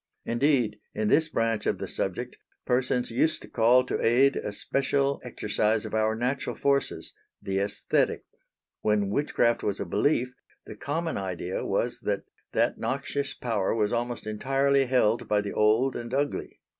Indeed in this branch of the subject persons used to call to aid a special exercise of our natural forces the æsthetic. When witchcraft was a belief, the common idea was that that noxious power was almost entirely held by the old and ugly.